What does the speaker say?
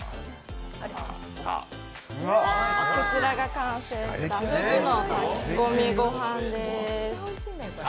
こちらが完成したふぐの炊き込みごはんです。